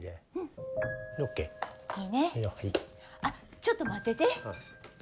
あっちょっと待ってて。